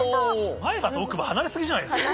前歯と奥歯離れ過ぎじゃないですか？